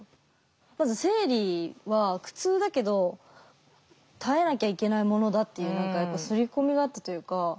まず生理は苦痛だけど耐えなきゃいけないものだっていう何かやっぱ刷り込みがあったというか。